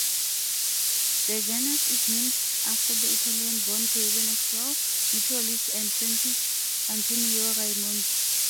The genus is named after the Italian-born Peruvian explorer, naturalist, and scientist, Antonio Raimondi.